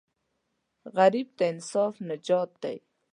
غریب ته انصاف نجات دی